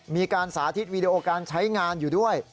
มีการสาธิตวีดีโอการใช้งานอยู่ด้วย